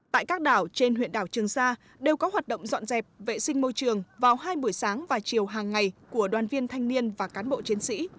tại các đảo trên huyện đảo trường sa đều có hoạt động dọn dẹp vệ sinh môi trường vào hai buổi sáng và chiều hàng ngày của đoàn viên thanh niên và cán bộ chiến sĩ